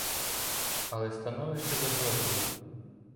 Але становище загрозливе.